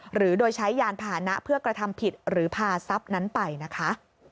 หรือโดยใช้ยานพาหนะเพื่อกระทำผิดหรือพาทรัพย์นั้นไปนะคะ